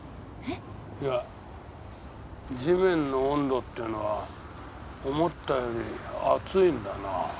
いや地面の温度っていうのは思ったより熱いんだな。